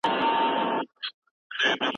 ایا ته د جارج واټسن په نظر پوهېږې؟